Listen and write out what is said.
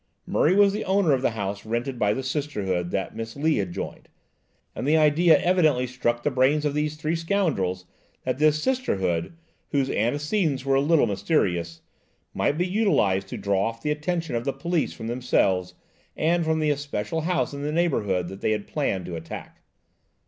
Murray was the owner of the house rented by the Sisterhood that Miss Lee had joined, and the idea evidently struck the brains of these three scoundrels that this Sisterhood, whose antecedents were a little mysterious, might be utilized to draw off the attention of the police from themselves and from the especial house in the neighbourhood that they had planned to attack.